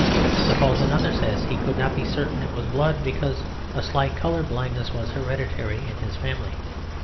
Suppose another says he could not be certain it was blood, because a slight colour blindness was hereditary in his family.